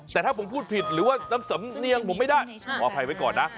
แต่ถ้าผมพูดผิดหรือว่าน้ำสำเนียงผมไม่ได้ขออภัยไว้ก่อนนะ